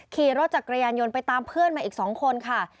ขี่รถจักรยานยนต์ไปตามเพื่อนมาอีก๒คนค่ะ